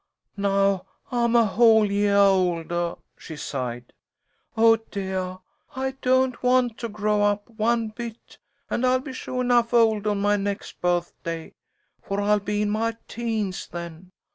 "Now I'm a whole yeah oldah," she sighed. "Oh, deah! I don't want to grow up, one bit, and I'll be suah 'nuff old on my next birthday, for I'll be in my teens then.